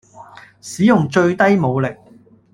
使用最低武力